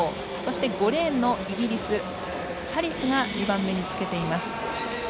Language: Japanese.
５レーンのイギリスチャリスが２番目につけています。